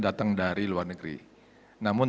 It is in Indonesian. datang dari luar negeri namun